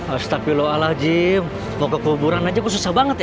astagfirullahaladzim mau ke kuburan aja kok susah banget ya